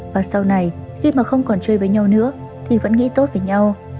và sau này khi mà không còn chơi với nhau nữa thì vẫn nghĩ tốt với nhau